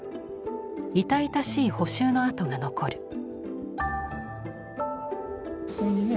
痛々しい補修の跡が残る。